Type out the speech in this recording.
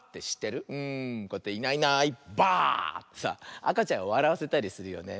こうやって「いないいないばあ！」ってさあかちゃんをわらわせたりするよね。